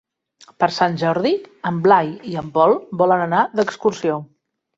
Per Sant Jordi en Blai i en Pol volen anar d'excursió.